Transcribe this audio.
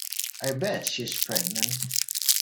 I bet she's pregnant!